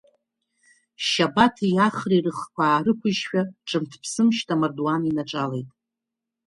Шьабаҭи Ахреи рыхқәа аарықәыжьшәа, ҿымҭ-ԥсымшьҭ амардуан инаҿалеит.